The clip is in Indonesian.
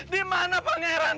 di mana pangeran